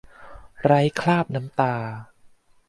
ไร้คราบน้ำตา